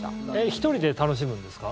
１人で楽しむんですか？